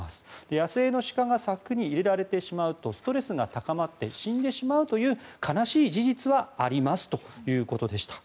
野生の鹿が柵に入れられてしまうとストレスが高まって死んでしまうという悲しい事実はありますということでした。